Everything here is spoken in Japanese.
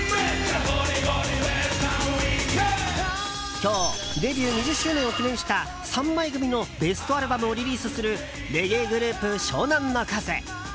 今日デビュー２０周年を記念した３枚組のベストアルバムをリリースするレゲエグループ、湘南乃風。